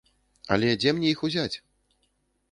Але дзе мне іх узяць?